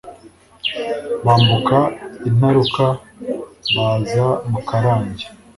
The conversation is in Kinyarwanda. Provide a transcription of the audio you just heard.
Bambuka Intaruka baza Mukarange